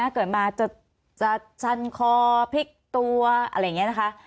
เกิดมาจะชันคอพลิกตัวอะไรอย่างนี้นะคะ